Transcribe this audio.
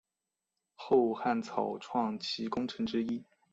后汉草创期功臣之一。